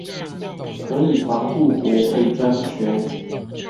可以防杜國會專權